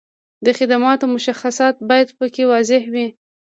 د خدماتو مشخصات باید په کې واضح وي.